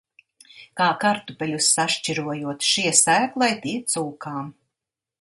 Kā kartupeļus sašķirojot – šie sēklai, tie cūkām.